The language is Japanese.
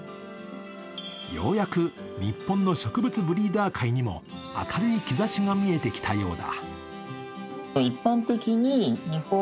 ようやく日本の植物ブリーダー界にも明るい兆しが見えてきたようだ。